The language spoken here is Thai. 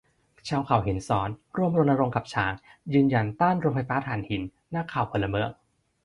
ชาวเขาหินซ้อนร่วมรณรงค์กับช้าง ยืนยันต้านโรงไฟฟ้าถ่านหิน นักข่าวพลเมือง